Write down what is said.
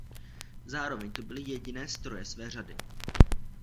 Zároveň to byly jediné stroje své řady.